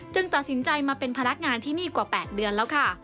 ตัดสินใจมาเป็นพนักงานที่นี่กว่า๘เดือนแล้วค่ะ